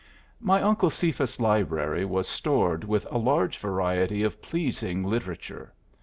My Uncle Cephas's library was stored with a large variety of pleasing literature.